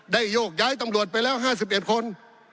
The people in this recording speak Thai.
โยกย้ายตำรวจไปแล้ว๕๑คน